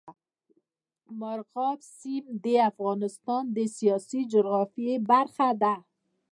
مورغاب سیند د افغانستان د سیاسي جغرافیه برخه ده.